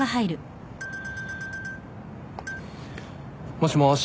もしもし。